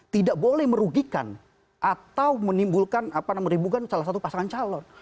tidak boleh merugikan atau menimbulkan apa namanya meribukan salah satu pasangan calon